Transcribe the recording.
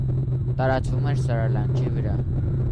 Տարածվում էր սարալանջի վրա։